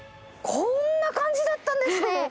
こんな感じだったんですね。